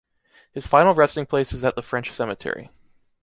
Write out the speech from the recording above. His final resting place is at the French cemetery.